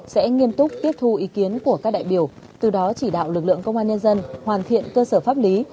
sẽ nghiêm túc tiếp thu ý kiến của các đại biểu từ đó chỉ đạo lực lượng công an nhân dân hoàn thiện cơ sở pháp lý